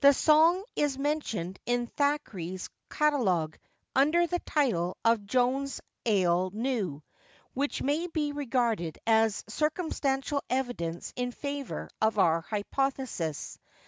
The song is mentioned in Thackeray's Catalogue, under the title of Joan's Ale's New; which may be regarded as circumstantial evidence in favour of our hypothesis.